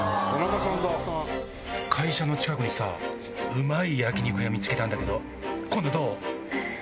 会社の近くにさうまい焼き肉屋見つけたんだけど。